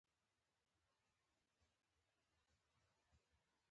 په ادا کې مې غمزې درته راوړي